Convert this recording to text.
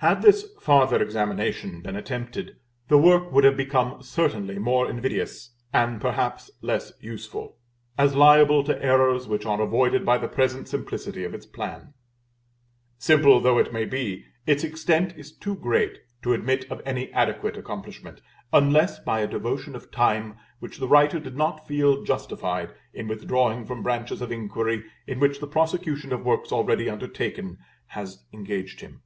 Had this farther examination been attempted, the work would have become certainly more invidious, and perhaps less useful, as liable to errors which are avoided by the present simplicity of its plan. Simple though it be, its extent is too great to admit of any adequate accomplishment, unless by a devotion of time which the writer did not feel justified in withdrawing from branches of inquiry in which the prosecution of works already undertaken has engaged him.